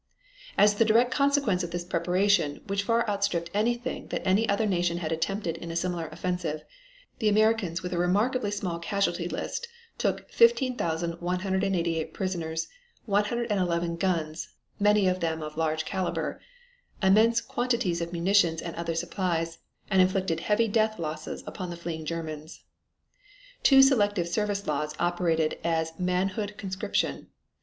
As the direct consequence of this preparation, which far outstripped anything that any other nation had attempted in a similar offensive, the Americans with a remarkably small casualty list took 15,188 prisoners, 111 guns, many of them of large caliber, immense quantities of munitions and other supplies, and inflicted heavy death losses upon the fleeing Germans. Two selective service laws operated as manhood conscription.